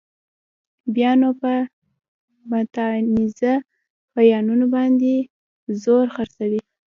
بیا نو په متنازعه بیانونو باندې زور خرڅوو.